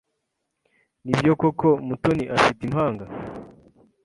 Nibyo koko Mutoni afite impanga?